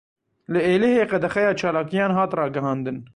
Li Êlihê qedexeya çalakiyan hat ragihandin.